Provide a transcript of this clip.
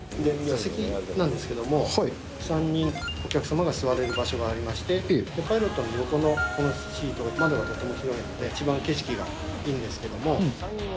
座席なんですけども、３人お客様が座れる場所がありまして、パイロットの横のシート、窓がとても広いので、一番景色がいいんですけども。